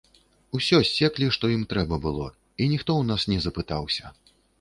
Усё ссеклі, што ім трэба было, і ніхто ў нас не запытаўся.